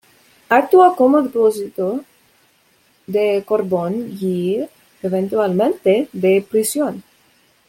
Actuó como depósito de carbón y eventualmente de prisión.